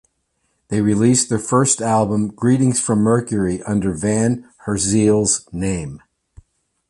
They released their first album, "Greetings From Mercury", under Van Herzeele's name.